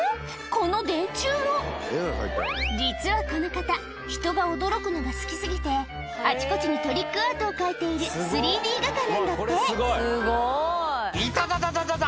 この電柱も実はこの方人が驚くのが好き過ぎてあちこちにトリックアートを描いている３Ｄ画家なんだって「痛たたたたた！